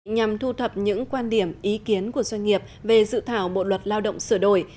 nhằm thu thập những quan điểm ý kiến của doanh nghiệp về dự thảo bộ luật lao động sửa đổi